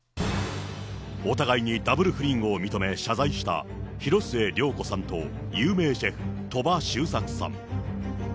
お互いにダブル不倫を認め、謝罪した広末涼子さんと有名シェフ、鳥羽周作さん。